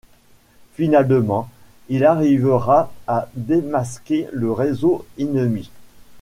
Finalement, il arrivera à démasquer le réseau ennemi.